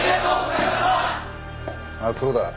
あっそうだ。